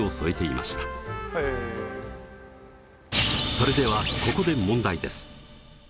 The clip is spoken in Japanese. それではここで問題です。